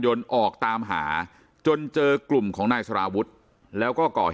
ออกตามหาจนเจอกลุ่มของนายสารวุฒิแล้วก็ก่อเหตุ